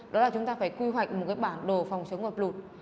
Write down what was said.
đó là chúng ta phải quy hoạch một cái bản đồ phòng chống ngập lụt